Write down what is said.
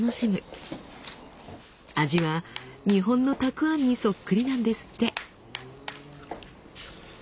味は日本のたくあんにそっくりなんですって。